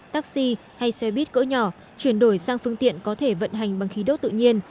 taxi hay xe buýt cỡ nhỏ chuyển đổi sang phương tiện có thể vận hành bằng khí đốt tự nhiên